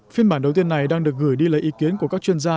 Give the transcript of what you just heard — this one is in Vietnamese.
phiên bản đầu tiên này đang được gửi đi lấy ý kiến của các chuyên gia